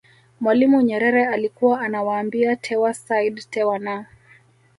Mwalimu Nyerere alikuwa anawaambia Tewa Said Tewa na